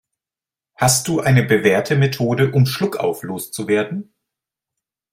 Hast du eine bewährte Methode, um Schluckauf loszuwerden?